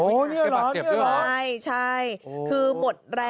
โอ้นี่เหรอ